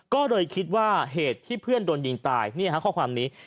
ก็เลยคิดว่าเหตุที่เพื่อนโดนยิงตายนี่ฮะข้อความนี้